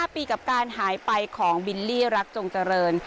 ๕ปีกับการหายไปของบิลลี่รักจงเจริญ